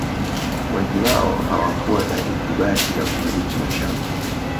Wengi wao hawakuwa na ithibati ya kumiliki mashamba